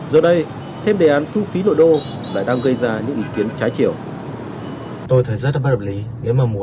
giờ đây thêm đề án thu phí nội đô đã đang gây ra những nguy hiểm